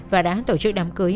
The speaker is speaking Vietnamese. và đã tổ chức đám cưới